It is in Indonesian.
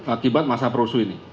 akibat masa perusuh ini